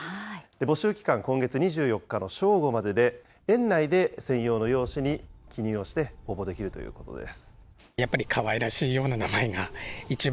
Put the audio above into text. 募集期間、今月２４日の正午までで、園内で専用の用紙に記入をして応募できるということです。